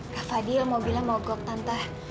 kak fadil mobilnya mogok tante